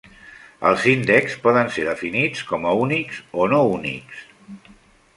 Els índexs poden ser definits com a únics o no únics.